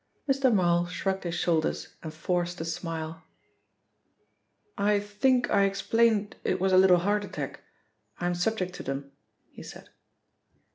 Mr. Marl shrugged his shoulders and forced a smile. "I think I explained it was a little heart attack. I am subject to them," he said.